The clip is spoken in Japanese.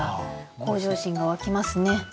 向上心が湧きますね。